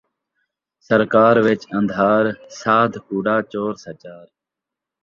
سرکار وچ ان٘دھار ، سادھ کوڑا چور سچار